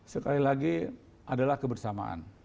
sekali lagi adalah kebersamaan